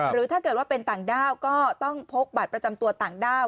หรือถ้าเกิดว่าเป็นต่างด้าวก็ต้องพกบัตรประจำตัวต่างด้าว